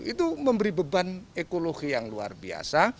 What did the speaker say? itu memberi beban ekologi yang luar biasa